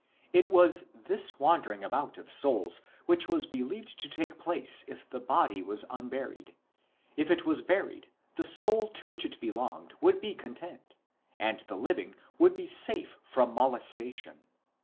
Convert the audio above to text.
It was this wandering about of souls which was believed to take place if the body was unburied ; if it was buried the soul to which it belonged would be content, and the living would be safe from molestation.